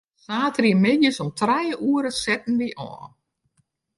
De saterdeitemiddeis om trije oere setten wy ôf.